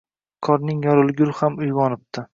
Qorning yorilgur ham uyg`onibdi